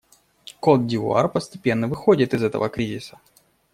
Кот-д'Ивуар постепенно выходит из этого кризиса.